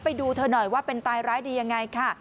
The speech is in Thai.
ไปดูเธอหน่อยว่าเป็นตายร้ายดียังไงค่ะ